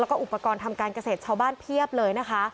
แล้วก็อุปกรณ์ทำการเกษตรชาวบ้านเพียบเลยนะคะ